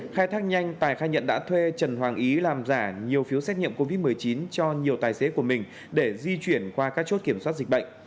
khai thác nhanh tài khai nhận đã thuê trần hoàng ý làm giả nhiều phiếu xét nghiệm covid một mươi chín cho nhiều tài xế của mình để di chuyển qua các chốt kiểm soát dịch bệnh